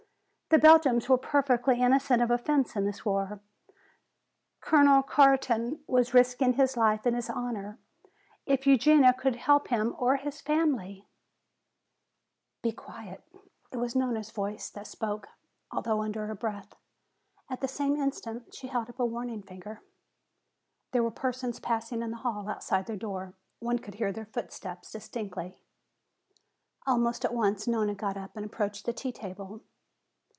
The Belgians were perfectly innocent of offense in this war. Colonel Carton was risking his life and his honor. If Eugenia could help him or his family " "Be quiet." It was Nona's voice that spoke, although under her breath. At the same instant she held up a warning finger. There were persons passing in the hall outside their door. One could hear their footsteps distinctly. Almost at once Nona got up and approached the tea table.